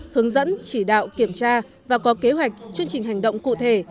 hướng dẫn chỉ đạo kiểm tra và có kế hoạch chương trình hành động cụ thể